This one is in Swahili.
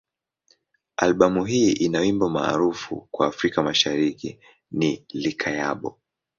Albamu ina wimbo maarufu kwa Afrika Mashariki ni "Likayabo.